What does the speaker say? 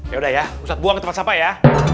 ya udah ya ustadz buang tempat sampai ya